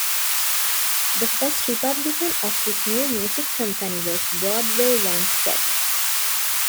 The first publication of his new music company was "Broadway One-Step".